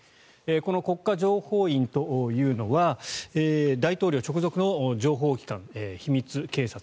この国家情報院というのは大統領直属の情報機関、秘密警察。